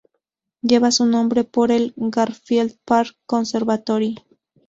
Lleva su nombre por el Garfield Park Conservatory.